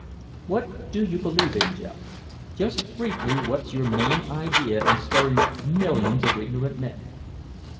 "What do you believe in, Joe? Just briefly, what's your main idea in stirring up millions of ignorant men?"